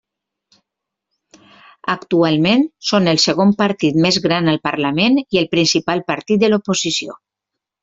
Actualment són el segon partit més gran al Parlament i el principal partit de l'oposició.